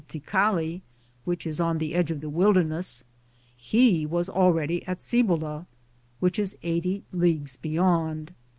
tica.lU, which is on the edge of the wilderness, he was already at Cibola, which is 80 leagues beyond.